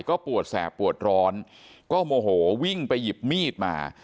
ก็ปวดแสบปวดร้อนก็โมโหวิ่งไปหยิบมีดมา